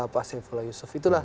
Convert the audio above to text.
pak saifullah yusuf itulah